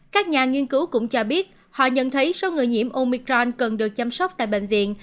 các nhà nghiên cứu cũng cho biết họ nhận thấy số người nhiễm omicron cần được chăm sóc tại bệnh viện